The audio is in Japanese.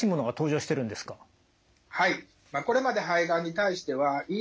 はいこれまで肺がんに対してはＥＧＦＲ